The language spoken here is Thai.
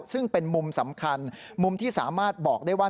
ซึ่งเป็นมุมสำคัญมุมที่สามารถบอกได้ว่า